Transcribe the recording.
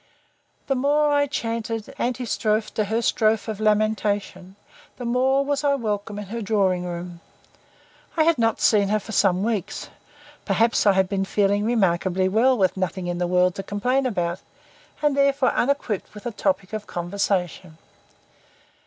The more I chanted antistrophe to her strophe of lamentation the more was I welcome in her drawing room. I had not seen her for some weeks. Perhaps I had been feeling remarkably well with nothing in the world to complain about, and therefore unequipped with a topic of conversation.